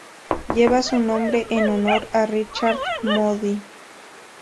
Lleva su nombre en honor a Richard Moody.